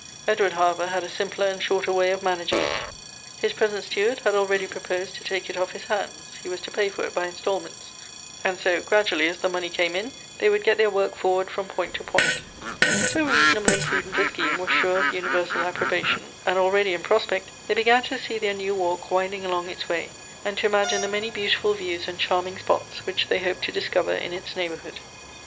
Edward, however, had a simpler and shorter way of managing it. His present steward had already proposed to take it off his hands — he was to pay for it by instalments — and so, gradually, as the money came in, they would get their work forward fi om point to point. So reasonable and prudent a scheme was sure of universal approbation, and already, in prospect, they began to see their new walk winding along its way, and to imagine the many beautiftil views and chai ming spots which they hoped to discover in its neighborhood.